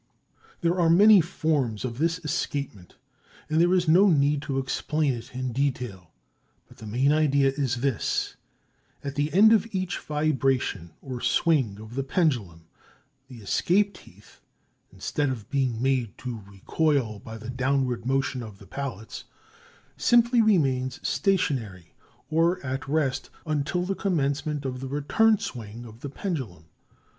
There are many forms of this escapement and there is no need to explain it in detail. But the main idea is this: At the end of each vibration or swing of the pendulum, the escape teeth, instead of being made to recoil by the downward motion of the pallets, simply remains stationary or at rest until the commencement of the return swing of the pendulum.